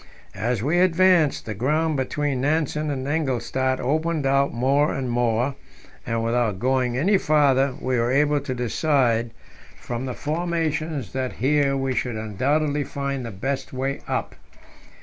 As we advanced, the ground between Nansen and Engelstad opened out more and more, and without going any farther we were able to decide from the formations that here we should undoubtedly find the best way up.